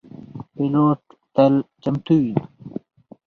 پیلوټ تل چمتو وي.